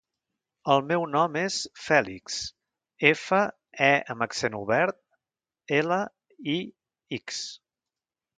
El meu nom és Fèlix: efa, e amb accent obert, ela, i, ics.